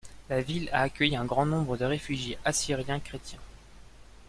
La ville a accueilli un grand nombre de réfugiés assyriens chrétiens.